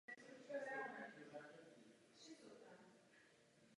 Narodil se v South Bank u Middlesbrough.